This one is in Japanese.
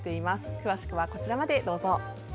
詳しくはこちらまでどうぞ。